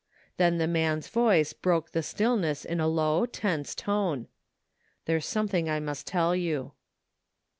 Then the man's voice broke the stillness in a low tense tone. " There's something I must tell you."